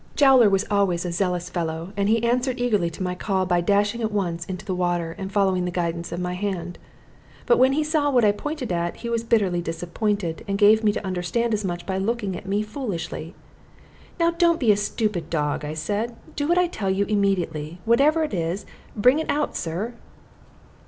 Jowler was always a zealous fellow, and he answered eagerly to my call by dashing at once into the water, and following the guidance of my hand. But when he saw what I pointed at, he was bitterly disappointed, and gave me to understand as much by looking at me foolishly. "Now don't be a stupid dog," I said; "do what I tell you immediately. Whatever it is, bring it out, Sir."